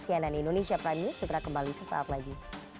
cnn indonesia prime news segera kembali sesaat lagi